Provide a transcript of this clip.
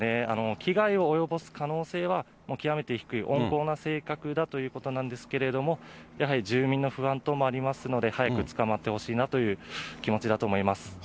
危害を及ぼす可能性はもう極めて低い、温厚な性格だということなんですけれども、やはり住民の不安等もありますので、早く捕まってほしいなという気持ちだと思います。